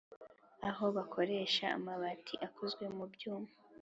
Aho bakoresha amabati akozwe mu byuma